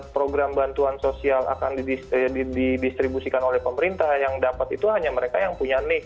program bantuan sosial akan didistribusikan oleh pemerintah yang dapat itu hanya mereka yang punya nik